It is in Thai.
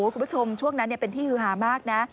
คุณผู้ชมช่วงนั้นเป็นที่ฮือหามากนะ